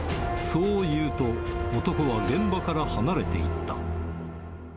そう言うと、男は現場から離れていった。